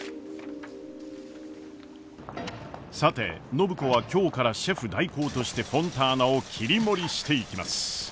さて暢子は今日からシェフ代行としてフォンターナを切り盛りしていきます。